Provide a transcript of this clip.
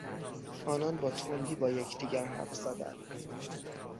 آنان با تندی با یکدیگر حرف زدند.